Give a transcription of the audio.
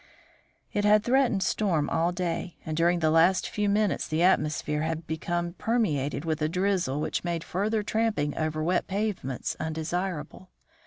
It had threatened storm all day, and during the last few minutes the atmosphere had become permeated with a drizzle which made further tramping over wet pavements undesirable.